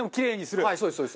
はいそうですそうです。